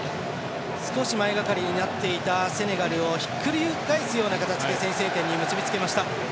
少し前がかりになっていたセネガルをひっくり返すような形で先制点に結び付けました。